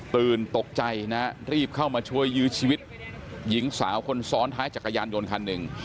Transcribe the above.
ตื่นตกใจนะรีบเข้ามาช่วยยื้อชีวิตหญิงสาวคนซ้อนท้ายจักรยานยนต์คันหนึ่ง